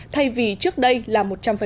thay vì trước đây là một trăm linh